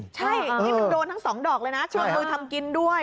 ใช่นี่มันโดนทั้งสองดอกเลยนะช่วงมือทำกินด้วย